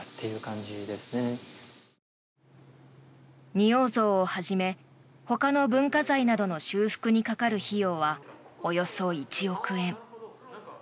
仁王像をはじめほかの文化財などの修復にかかる費用はおよそ１億円。